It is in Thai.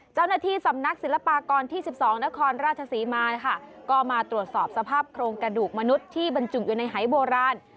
เจ้าหน้าที่สำนักศิลปากรที่๑๒นครราชศรีมานะคะก็มาตรวจสอบสภาพโครงกระดูกมนุษย์ที่บรรจุอยู่ในหายโบราณ